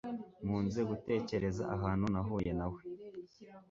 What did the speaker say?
nkunze gutekereza ahantu nahuye nawe